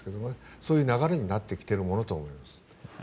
そういう流れになってきてるものと思います。